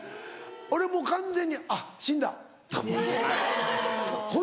俺もう完全にあっ死んだと思ったんです。